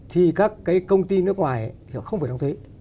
thì các cái công ty nước ngoài thì không phải đóng thuế